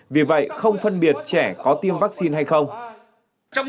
vì vậy không phân biệt trẻ có tiêm vaccine hay không